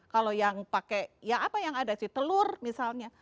kalau yang pakai ya apa yang ada si telur misalnya